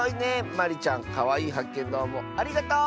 まりちゃんかわいいはっけんどうもありがとう！